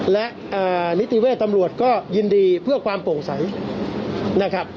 และนิติเวทย์ตำรวจก็ยินดีเพื่อความโปร่งใสนะครับ